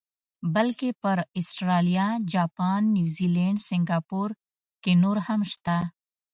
بلکې پر اسټرالیا، جاپان، نیوزیلینډ، سنګاپور کې نور هم شته.